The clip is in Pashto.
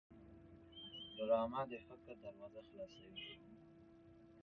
ډرامه د فکر دروازه خلاصوي